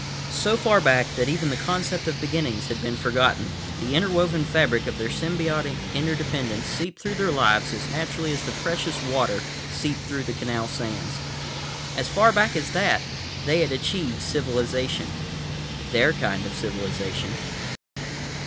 So far back that even the concept of beginnings had been forgotten, the interwoven fabric of their symbiotic interdependence seeped through their lives as naturally as the precious water seeped through the canal sands. As far back as that, they had achieved civilization. Their kind of civilization.